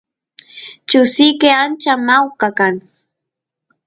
chusiyke ancha mawka kan